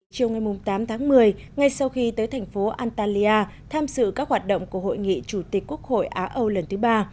chiều ngày tám tháng một mươi ngay sau khi tới thành phố antalya tham sự các hoạt động của hội nghị chủ tịch quốc hội á âu lần thứ ba